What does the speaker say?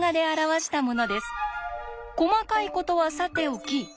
細かいことはさておき。